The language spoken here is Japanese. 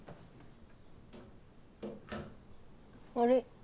あれ？